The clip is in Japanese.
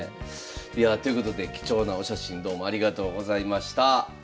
ということで貴重なお写真どうもありがとうございました。